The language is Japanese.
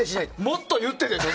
もっと言ってでしょ。